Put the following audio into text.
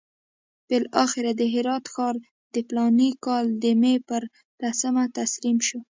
بالاخره د هرات ښار د فلاني کال د مې پر لسمه تسلیم شو.